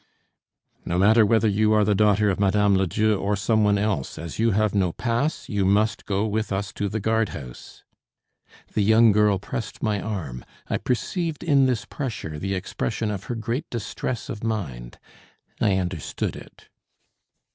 "No matter whether you are the daughter of Mme. Ledieu or some one else, as you have no pass, you must go with us to the guard house." The young girl pressed my arm. I perceived in this pressure the expression of her great distress of mind. I understood it.